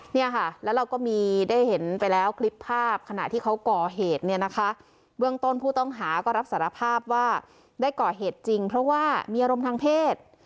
เนี่ยค่ะแล้วเราก็มีได้เห็นไปแล้วคลิปภาพขณะที่เขาก่อเหตุเนี่ยนะคะเบื้องต้นผู้ต้องหาก็รับสารภาพว่าได้ก่อเหตุจริงเพราะว่ามีอารมณ์ทางเพศ